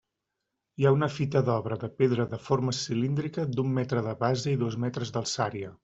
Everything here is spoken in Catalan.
Hi ha una fita d'obra de pedra de forma cilíndrica d'un metre de base i dos metres d'alçària.